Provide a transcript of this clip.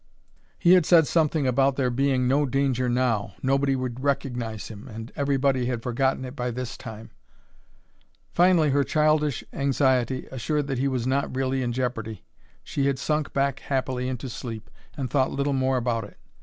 He had said something about there being "no danger now," "nobody would recognize him," "everybody had forgotten it by this time"; finally, her childish anxiety assured that he was not really in jeopardy, she had sunk back happily into sleep and thought little more about it.